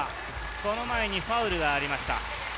その前にファウルがありました。